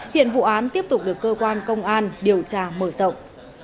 hiện vụ án tiếp tục được cơ quan công an điều tra mở rộng